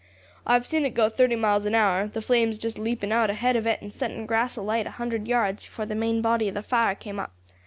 I have seen it go thirty miles an hour, the flames just leaping out ahead of it and setting grass alight a hundred yards before the main body of the fire came up.